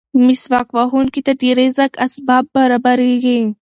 مسواک وهونکي ته د رزق اسباب برابرېږي.